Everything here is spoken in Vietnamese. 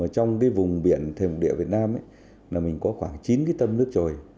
trong vùng biển thêm địa việt nam mình có khoảng chín tâm nước trời